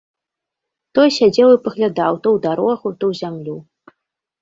Той сядзеў і паглядаў то ў дарогу, то ў зямлю.